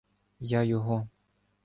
Я його